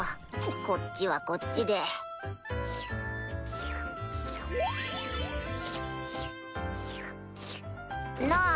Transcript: こっちはこっちで。なぁ